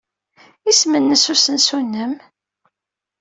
Isem-nnes usensu-nnem?